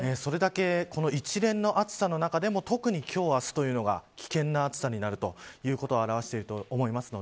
それだけ、一連の暑さの中でも特に今日、明日というのが危険な暑さになるということを表していると思います。